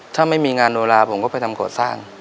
ถ้าไม่มีงานโนราผมก็ไปทำก่อสร้าง